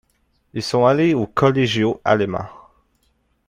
Ils sont allés au Colegio Alemán.